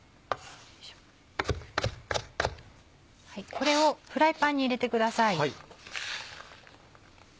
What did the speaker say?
これをフライパンに入れてください。